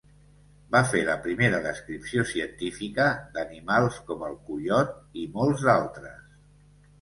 Va fer la primera descripció científica d'animals com el coiot i molts d'altres.